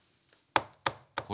これ？